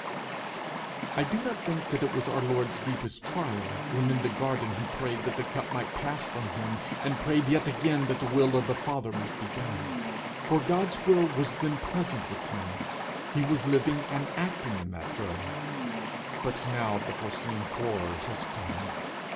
I do not think it was our Lord's deepest trial when in the garden he prayed that the cup might pass from him, and prayed yet again that the will of the Father might be done. For that will was then present with him. He was living and acting in that will. But now the foreseen horror has come.